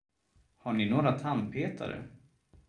Har ni några tandpetare?